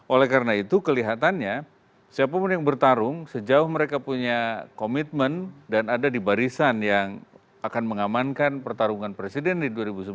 oleh karena itu kelihatannya siapapun yang bertarung sejauh mereka punya komitmen dan ada di barisan yang akan mengamankan pertarungan presiden di dua ribu sembilan belas